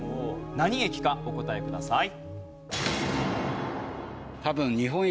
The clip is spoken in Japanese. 何駅かお答えください。